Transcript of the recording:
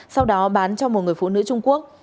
sau đó bán cho một người phụ nữ trung quốc